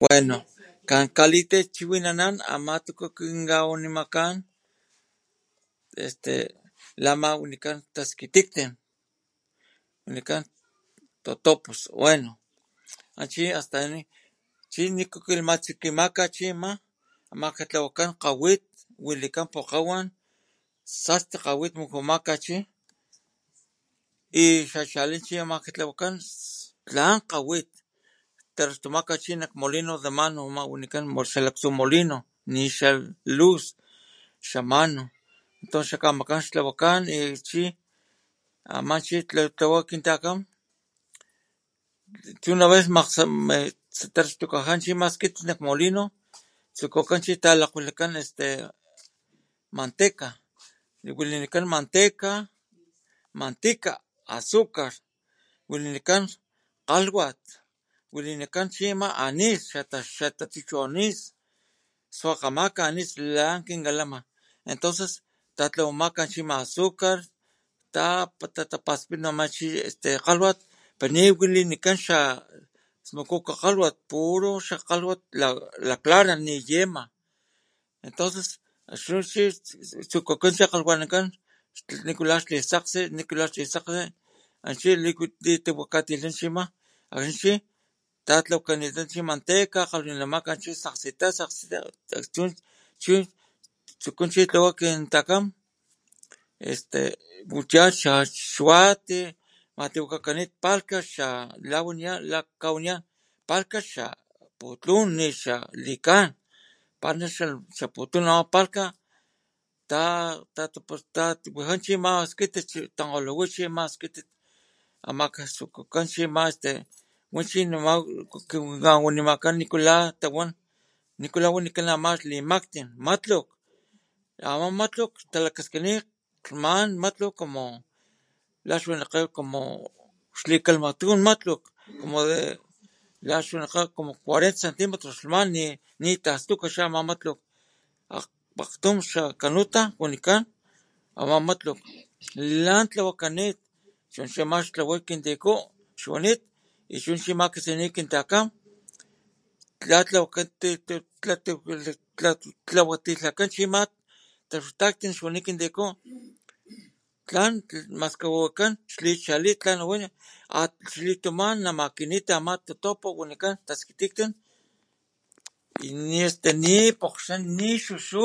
Bueno kan kalitechiwinanan ama tiku kin kawanimakan, este lama wanikan taskitilhan, wanikan totopos bueno a chi asta chi niku makilhtsukimaka chima maka tlawakan kga'wit wilikan pukgowan sasti kgawit mukujumaka chi y xa chali chi amaka tlawakan tlan kga'wit traxtumaka chi nak molino de mano ama wanikan xa lak tsu molino ni xa luz xa mano tons xa kamakan xtlawakan y e chi ama chi tlawa kin takam de una vez makgs traxtukaja chi ama skitit nak molino tsukukan chi talakwalhakan este manteca walinikan manteca, mantika, azúcar walinikan kgalhwat walinikan chima anís xata xatachuchu anís swakgamaka anís lan kinkalama entonces tatlawamaka chima azúcar ta ta'tapaspitma chima este kgalhwat pero ni walinikan xa smukuku kgalhwat puro xa kgalhwat la clara ni yema entonces chu chi tsukukan chi kgalhwanankan nikula xli sakgsi nikula xli sakgsi ana chi litlawatilhakan chima akxni chi tatlawakanit chi manteca kgalhwanamaka chi sakgsita, sakgsita chu chi tsuku chi tlawa kin takam este yaja xa xwati matiwakakanit palhka xa kawaniyan palhka xa putlun ni xa likan palhka xa putlun ama palhka ta ta wija chi ama skitit tankgoloj wi chima skitit amaka tsukukan chima este wachi nama kin kawanimakan nikula tawa nikula wanikan ama xlimaktin matluk, ama matluk talakaskini lhman matluk como lixwalikgen xli kilhmaktum ama matluk lixwalikgen la cuarenta centimetros lhman nitastuka xama matluk pakgtum xa carruta wanikan ama matluk lan tlawakanit chu chima xtlaway kin tiku xwanit y chu chima katsininit kin takam la tlawakan tla tla tlati tlawatilhakan chima taxtakin xwani kin tiku tlan maskawiwikan xli chali tlan na waya xli tuma namakinita ama totopo wanikan taskititlan ni pokgxan ni xuxu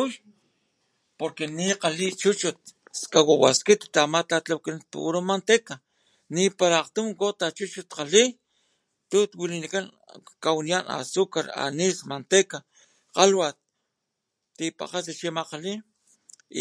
porque ni kgalhi chuchut skawawa skitit ama tatlawakan puru manteca ni para akgtum gota chuchut kgalhi tu xwalikan jkawaniyan azúcar, anís, manteca, kgalhwat tipakgatsi chima kgalhi y makla chi xli tuma chi wamaka ama taskititlan ni xuxunit ni para tsina watiya.